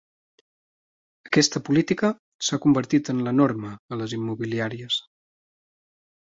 Aquesta política s'ha convertit en la norma a les immobiliàries.